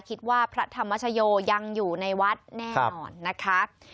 พระธรรมชโยยังอยู่ในวัดแน่นอนนะคะ